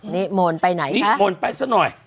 นิมนต์ไปไหนนิมนต์ไปซะหน่อย